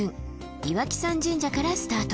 岩木山神社からスタート。